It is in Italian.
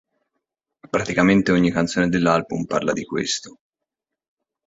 Praticamente ogni canzone dell'album parla di questo.